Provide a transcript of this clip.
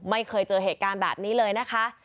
ไม่เคยเจอเหตุการณ์แบบนี้เลยนะคะ